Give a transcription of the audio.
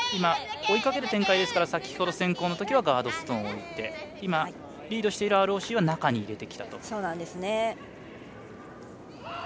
日本は、今追いかける展開ですから先ほど、先攻のときはガードストーンを置いてリードしているＲＯＣは中に入れてきたと。